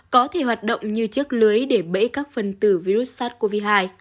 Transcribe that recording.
có thể hoạt động như chiếc lưới để bẫy các phần tử virus sars cov hai